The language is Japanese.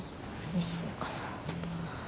一星かな。